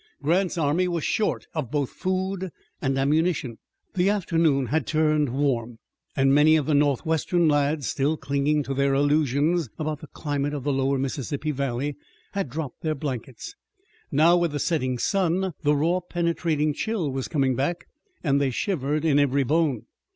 Grant's army was short of both food and ammunition. The afternoon had turned warm, and many of the northwestern lads, still clinging to their illusions about the climate of the lower Mississippi Valley, had dropped their blankets. Now, with the setting sun, the raw, penetrating chill was coming back, and they shivered in every bone.